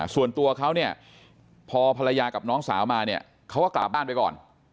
ส่วนตัวเขาเนี่ยพอภรรยากับน้องสาวมาเนี่ยเขาก็กลับบ้านไปก่อน